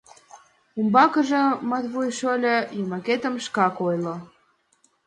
Умбакыже, Матвуй шольо, йомакетым шкак ойло.